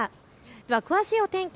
では詳しいお天気